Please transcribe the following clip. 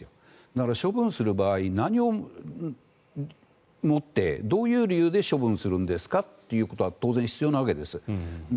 だから、処分される場合何をもってどういう理由で処分するんですかということが当然必要なわけです。